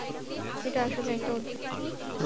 এটা আসলে একটা অদ্ভুদ।